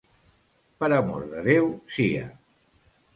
Per amor de Déu sia!